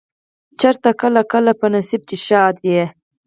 چرته کله کله په نصيب چې ښادي